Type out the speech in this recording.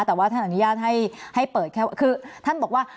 แต่ว่าท่านอนุญาตให้เปิดแค่คือท่านบอกว่า